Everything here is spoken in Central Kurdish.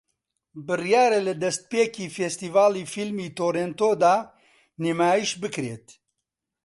بڕیارە لە دەستپێکی فێستیڤاڵی فیلمی تۆرێنتۆ دا نمایش بکرێت